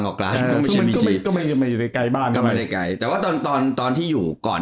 ไม่ได้ใกล้บ้านเข้ามันพอไม่ได้ใกล้แต่ว่าตอนตอนตอนที่อยู่ก่อน